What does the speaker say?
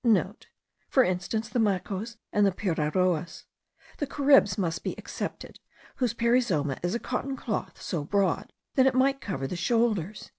(* For instance, the Macos and the Piraoas. The Caribs must be excepted, whose perizoma is a cotton cloth, so broad that it might cover the shoulders.)